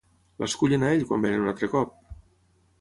L'escullen a ell quan venen un altre cop?